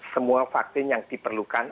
semua vaksin yang diperlukan